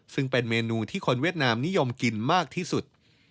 ซึ่งเป็นเมนูที่คนเวียดนามนิยมกินมากที่สุด